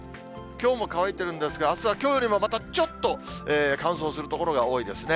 きょうも乾いてるんですが、あすはきょうよりもまたちょっと乾燥する所が多いですね。